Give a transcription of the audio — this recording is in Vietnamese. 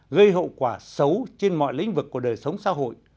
gây hậu quả xấu trên mọi lĩnh vực của đời sống xã hội